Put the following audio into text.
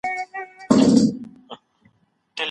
کله چې پوهه د عمل ډګر ته راوځي نو سياست دی.